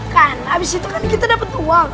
kan abis itu kan kita dapat uang